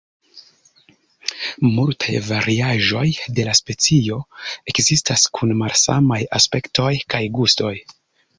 Multaj variaĵoj de la specio ekzistas, kun malsamaj aspektoj kaj gustoj.